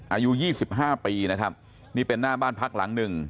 อายุ๒๕ปีนะครับนี่เป็นหน้าบ้านพักหลังหนึ่ง